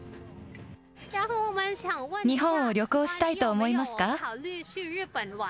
日本を旅行したいと思いますか？